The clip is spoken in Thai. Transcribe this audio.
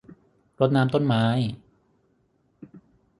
รดน้ำต้นไม้